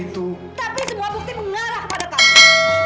tapi semua bukti mengarah kepada kami